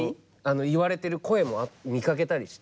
言われてる声も見かけたりして。